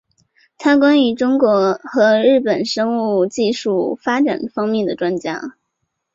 他是关于中国和日本生物技术发展方面的专家。